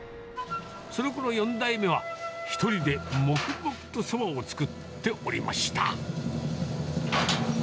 そのころ、４代目は、１人で黙々とそばを作っておりました。